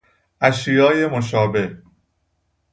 اشیای مشابه